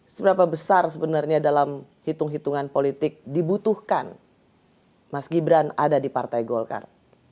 seberapa besar sebenarnya dalam hitung hitungan politik dibutuhkan mas gibran ada di partai golkar